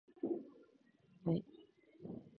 ｆｊｖｋｆ りう ｇｖｔｇ ヴ ｔｒ ヴぃ ｌ